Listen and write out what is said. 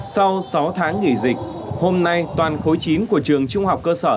sau sáu tháng nghỉ dịch hôm nay toàn khối chín của trường trung học cơ sở